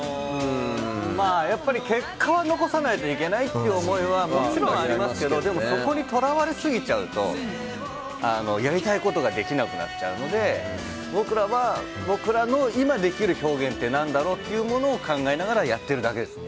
やっぱり結果を残さないといけないという思いはもちろんありますがでも、そこにとらわれすぎるとやりたいことができなくなっちゃうので僕らは僕らの今できる表現って何だろうというものを考えながらやってるだけです